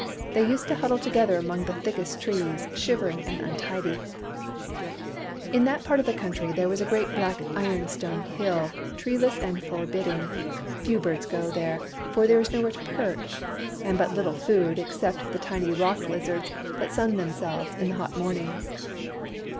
They used to huddle together among the thickest trees, shivering and untidy. igS THE BURNING OF THE CROWS In that part of the country there is a great black ironstone hill, treeless and forbidding. Few birds go there, for there is nowhere to perch, and but little food except the tiny rock lizards that sun them selves in the hot mornings.